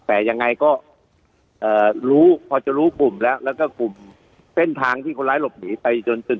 แต่ยังไงก็รู้พอจะรู้กลุ่มแล้วแล้วก็กลุ่มเส้นทางที่คนร้ายหลบหนีไปจนถึง